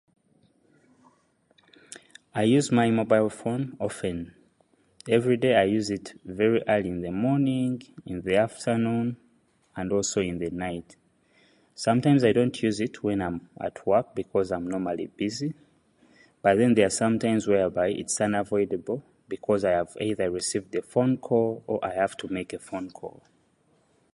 I use my mobile phone often. Every day I use it very ahh. In the morning, in the afternoon, and also in the night. Sometimes I don't use it when I'm at work because I'm normally busy but then there are some times whereby it's unavoidable, because either I have received a phone call or I have to make a phone call.